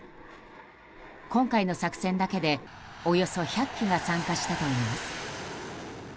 今回の作戦だけでおよそ１００機が参加したといいます。